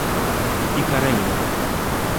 Icaraíma